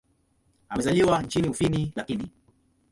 Amezaliwa nchini Ufini lakini.